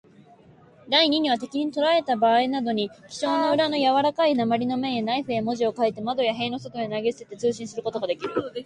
第二には、敵にとらえられたばあいなどに、記章の裏のやわらかい鉛の面へ、ナイフで文字を書いて、窓や塀の外へ投げて、通信することができる。